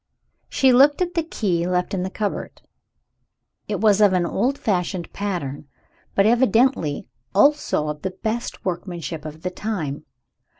She looked at the key left in the cupboard. It was of an old fashioned pattern but evidently also of the best workmanship of the time.